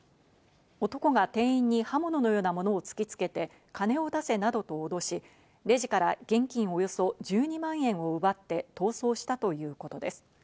男が店員に刃物のようなものを突きつけて金を出せなどとおどし、レジから現金およそ１２万円を奪って逃走したということです。